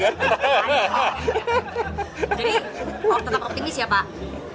jadi tetap optimis ya pak